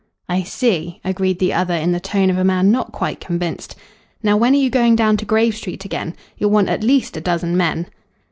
"I see," agreed the other in the tone of a man not quite convinced. "Now, when are you going down to Grave Street again? You'll want at least a dozen men."